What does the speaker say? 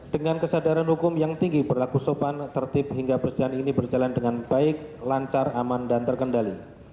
dengan kesadaran hukum yang tinggi berlaku sopan tertib hingga persidangan ini berjalan dengan baik lancar aman dan terkendali